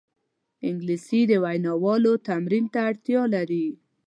انګلیسي د ویناوالو تمرین ته اړتیا لري